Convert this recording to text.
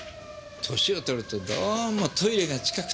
歳を取るとどうもトイレが近くて。